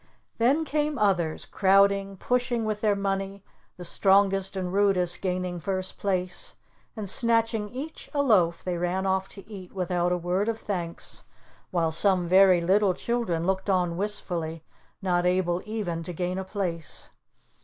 Then came others, crowding, pushing with their money, the strongest and rudest gaining first place, and snatching each a loaf they ran off to eat without a word of thanks, while some very little children looked on wistfully, not able even to gain a place.